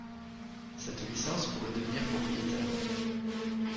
Cette licence pourrait devenir propriétaire.